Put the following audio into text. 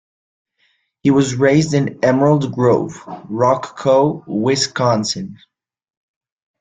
He was raised in Emerald Grove, Rock Co, Wisconsin.